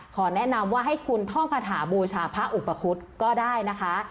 แนะนำว่าให้คุณท่องคาถาบูชาพระอุปคุฎก็ได้นะคะ